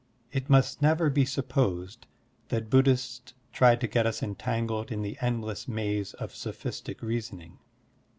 It must never be sup posed that Buddhists try to get us entangled in the endless maze of sophistic reasoning.